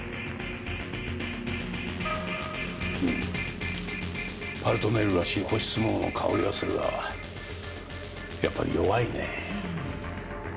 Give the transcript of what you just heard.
うん「パルトネール」らしい干しスモモの香りはするがやっぱり弱いねぇ。